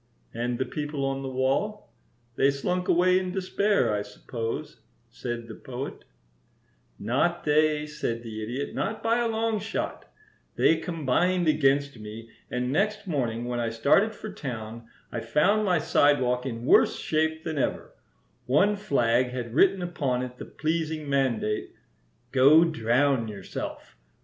"And the people on the wall? They slunk away in despair, I suppose," said the Poet. [Illustration: "'IT TOOK MY HIRED MAN TWO WEEKS TO SCRUB IT OUT'"] "Not they," said the Idiot; "not by a long shot. They combined against me, and next morning when I started for town I found my sidewalk in worse shape than ever. One flag had written upon it the pleasing mandate 'Go drown yourself.'